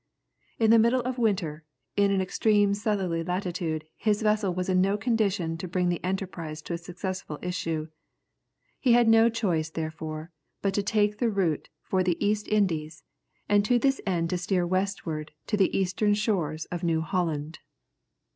In the middle of winter, in an extreme southerly latitude his vessel was in no condition to bring the enterprise to a successful issue. He had no choice, therefore, but to take the route for the East Indies, and to this end to steer westward to the eastern shores of New Holland.